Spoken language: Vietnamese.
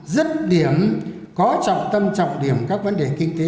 dứt điểm có trọng tâm trọng điểm các vấn đề kinh tế